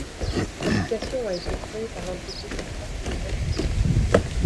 L'application a été créée par l'entreprise qui porte le même nom.